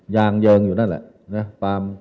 ยางเยิงอยู่นั่นแหละนะ